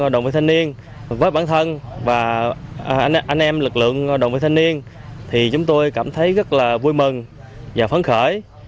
đồng bào thanh niên với bản thân và anh em lực lượng đồng bào thanh niên thì chúng tôi cảm thấy rất là vui mừng và phấn khởi